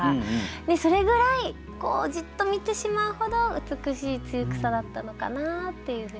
それぐらいじっと見てしまうほど美しい露草だったのかなっていうふうに感じました。